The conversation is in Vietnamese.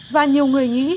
và nhiều người nghĩ